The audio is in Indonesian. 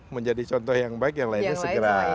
menjadi contoh yang baik yang lainnya segera